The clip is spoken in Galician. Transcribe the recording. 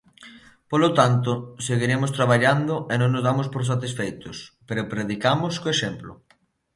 Polo tanto, seguiremos traballando e non nos damos por satisfeitos, pero predicamos co exemplo.